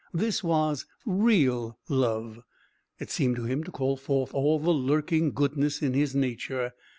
This was real love. It seemed to him to call forth all the lurking goodness in his nature.